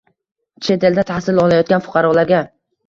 Chet elda tahsil olayotgan fuqarolarga